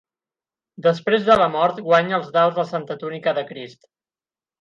Després de la mort, guanya als daus la Santa túnica de Crist.